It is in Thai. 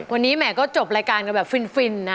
วันนี้แหมก็จบรายการกันแบบฟินนะ